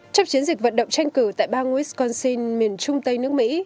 trong chiến dịch vận động tranh cử tại bang wisconsin miền trung tây nước mỹ